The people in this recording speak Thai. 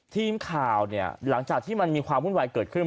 ทีมข่าวเนี่ยหลังจากที่มันมีความวุ่นวายเกิดขึ้น